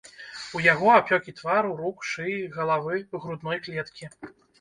У яго апёкі твару, рук, шыі, галавы, грудной клеткі.